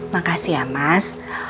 makasih ya mas